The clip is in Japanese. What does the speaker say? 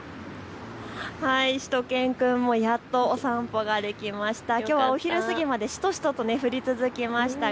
しゅと犬くんもやっとお散歩ができましたよ。